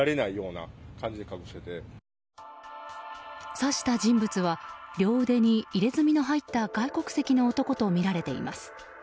刺した人物は両腕に入れ墨の入った外国籍の男とみられています。